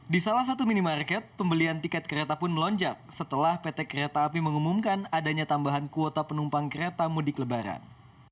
di salah satu minimarket pembelian tiket kereta pun melonjak setelah pt kereta api mengumumkan adanya tambahan kuota penumpang kereta mudik lebaran